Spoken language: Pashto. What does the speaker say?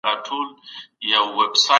یو ځل مړینه تر هر ورځ مړینې غوره ده.